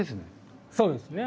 そうですね。